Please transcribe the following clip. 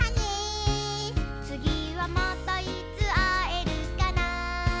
「つぎはまたいつあえるかな」